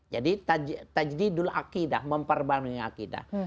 jadi tajidul akidah memperbaharui akidah